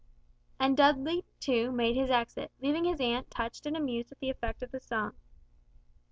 And Dudley, too, made his exit, leaving his aunt touched and amused at the effect of the song.